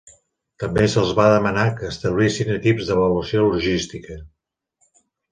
També se'ls va demanar que establissin equips d'avaluació logística.